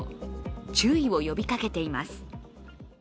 注意を呼びかけています。